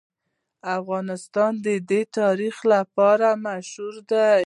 افغانستان د تاریخ لپاره مشهور دی.